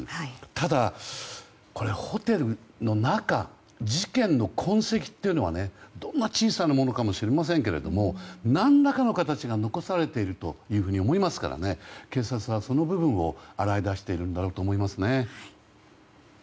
ただ、ホテルの中事件の痕跡というのはねどんな小さなものかもしれませんが何らかの形が残されていると思いますから警察はその部分を洗い出しているんだろうと思いますね。